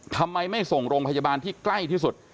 ทำไมไม่ส่งโรงพยาบาลที่ใกล้ที่สุด